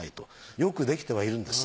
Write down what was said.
よくできてはいるんです。